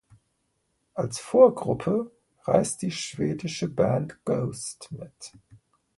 Als Vorgruppe reist die schwedische Band Ghost mit.